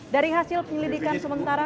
dari hasil penyelidikan sementara